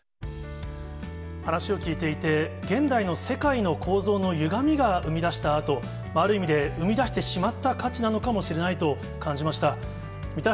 話を聞いていて、現代の世界の構造のゆがみが生み出したあと、ある意味で生み出してしまった価値なのかもしれないと感じました。